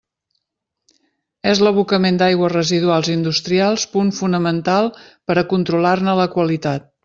És l'abocament d'aigües residuals industrials punt fonamental per a controlar-ne la qualitat.